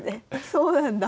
そうなんだ。